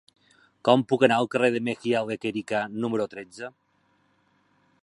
Com puc anar al carrer de Mejía Lequerica número tretze?